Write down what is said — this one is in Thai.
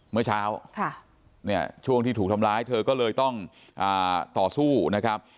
เมื่อเช้าเนี่ยช่วงที่ถูกทำร้ายเธอก็เลยต้องต่อสู้นะครับ